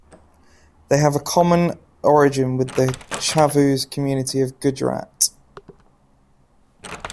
They have a common origin with the Chavuse community of Gujarat.